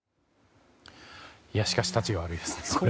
しかしたちが悪いですね。